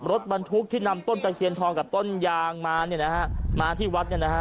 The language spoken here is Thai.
รถบรรทุกที่นำต้นตะเคียนทองกับต้นยางมาที่วัด